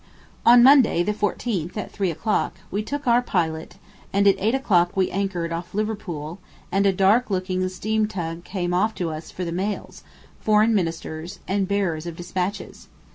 On Monday, the 14th, at three o'clock, we took our pilot, and at eight o'clock we anchored off Liverpool, and a dark looking steamtug came off to us for the mails, foreign ministers, and bearers of despatches.